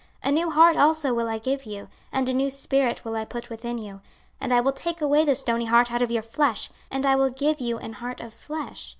26:036:026 A new heart also will I give you, and a new spirit will I put within you: and I will take away the stony heart out of your flesh, and I will give you an heart of flesh.